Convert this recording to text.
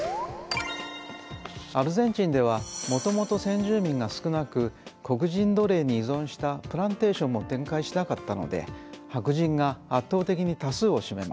アルゼンチンではもともと先住民が少なく黒人奴隷に依存したプランテーションも展開しなかったので白人が圧倒的に多数を占めます。